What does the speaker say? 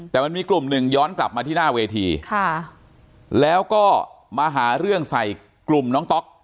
แต่มันมีกลุ่มหนึ่งย้อนกลับมาที่หน้าเวทีค่ะแล้วก็มาหาเรื่องใส่กลุ่มน้องต๊อก